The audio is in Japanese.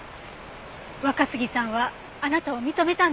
若杉さんはあなたを認めたんですから。